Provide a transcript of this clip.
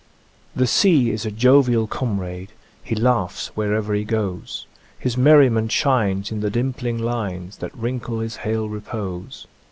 " The sea is a jovial comrade, He laughs wherever he goes ; His merriment shines in the dimpling lines That wrinkle his hale repose.